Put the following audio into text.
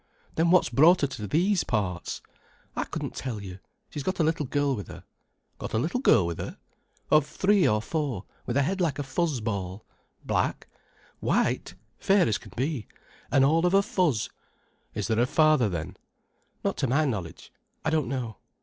"Then what's brought her to these parts?" "I couldn't tell you. She's got a little girl with her." "Got a little girl with her?" "Of three or four, with a head like a fuzz ball." "Black?" "White—fair as can be, an' all of a fuzz." "Is there a father, then?" "Not to my knowledge. I don't know."